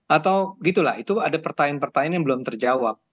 atau gitu lah itu ada pertanyaan pertanyaan yang belum terjawab